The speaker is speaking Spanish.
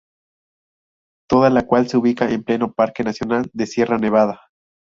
Toda la cual se ubica en pleno Parque nacional de Sierra Nevada.